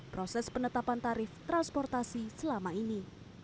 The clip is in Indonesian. proses penetapan tarif transportasi selama ini